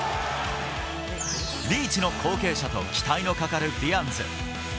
リーチの後継者と、期待のかかるディアンズ。